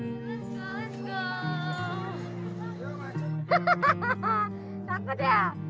hahaha takut ya